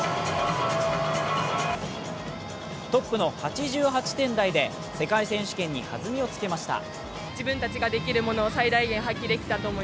トップの８８点台で世界選手権にはずみをつけました。